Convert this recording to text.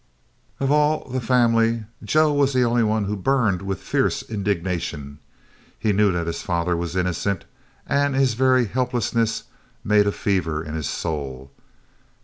Of all the family Joe was the only one who burned with a fierce indignation. He knew that his father was innocent, and his very helplessness made a fever in his soul.